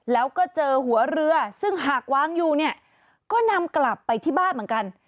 แล้วก็เจอหัวเรือซึ่งหากวางอยู่เนี่ยก็นำกลับไปที่บ้านเหมือนกัน